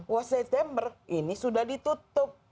wah september ini sudah ditutup